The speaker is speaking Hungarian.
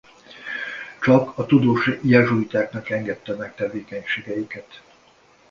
Csak a tudós jezsuitáknak engedte meg tevékenységeiket.